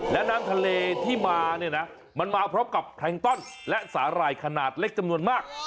และน้ำทะเลที่มาเนี่ยนะมันมาพร้อมกับแพลงต้อนและสาหร่ายขนาดเล็กจำนวนมาก